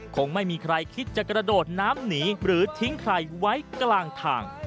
คงไม่มีใครคิดจะกระโดดน้ำหนีหรือทิ้งใครไว้กลางทาง